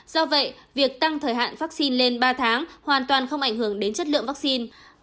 do vậy việc tăng thời hạn vaccine lên ba tháng hoàn toàn không ảnh hưởng đến chất lượng vaccine